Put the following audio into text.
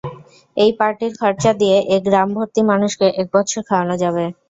এই পার্টির খরচা দিয়ে এক গ্রামভর্তি মানুষকে এক বৎসর খাওয়ানো যাবে!